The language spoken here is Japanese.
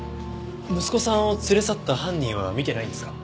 息子さんを連れ去った犯人は見てないんですか？